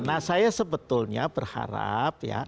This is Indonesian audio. nah saya sebetulnya berharap